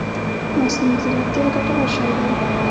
مصنوعي ځيرکتيا ګټور شی دی